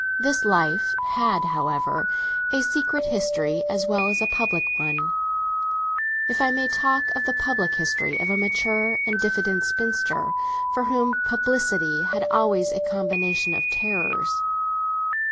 This life had, however, a secret history as well as a public one—if I may talk of the public history of a mature and diffident spinster for whom publicity had always a combination of terrors.